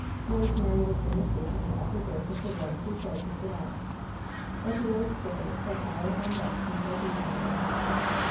Eosemary was soon asleep in the upper berth of the room she shared with Wynnette. But the old skipper spent hours on deck before he turned in.